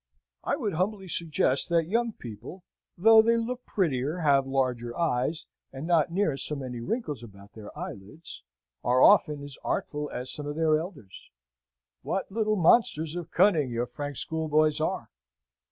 ... I would humbly suggest that young people, though they look prettier, have larger eyes, and not near so many wrinkles about their eyelids, are often as artful as some of their elders. What little monsters of cunning your frank schoolboys are!